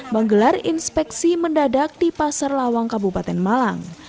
menggelar inspeksi mendadak di pasar lawang kabupaten malang